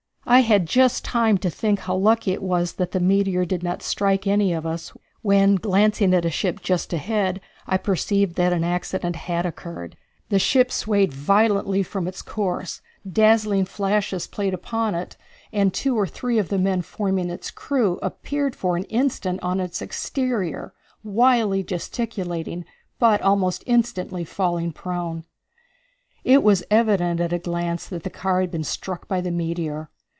I had just time to think how lucky it was that the meteor did not strike any of us, when, glancing at a ship just ahead, I perceived that an accident had occurred. The ship swayed violently from its course, dazzling flashes played around it, and two or three of the men forming its crew appeared for an instant on its exterior, wildly gesticulating, but almost instantly falling prone. It was evident at a glance that the car had been struck by the meteor.